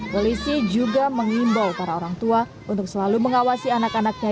polisi juga mengimbau para orang tua untuk selalu mengawasi anak anaknya